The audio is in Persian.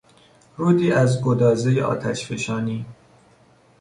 رودی از گدازهی آتشفشانی